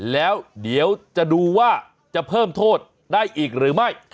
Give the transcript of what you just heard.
แล้วเดี๋ยวจะดูว่าจะเพิ่มโทษได้อีกหรือไม่